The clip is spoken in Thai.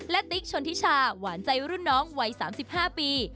ติ๊กชนทิชาหวานใจรุ่นน้องวัย๓๕ปี